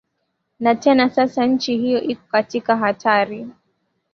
na tena sasa nchi hiyo iko katika hatari